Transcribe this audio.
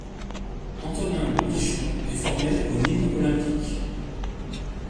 Antonin Bobichon est formé au Nîmes Olympique.